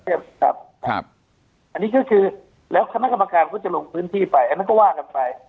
อันนี้ก็คือแล้วคณะกรรมการก็จะลงพื้นที่ไปอันนั้นก็ว่ากันไป